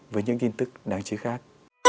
với những tin tức đáng chí khác